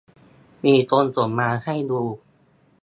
มีคนส่งมาให้ดู